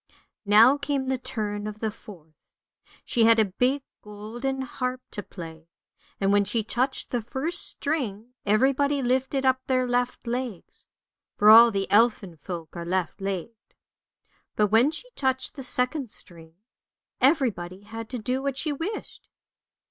Now came the turn of the fourth; she had a big golden harp to play, and when she touched the first string everybody lifted up their left legs (for all the elfin folk are left legged). But when she touched the second string everybody had to do what she wished.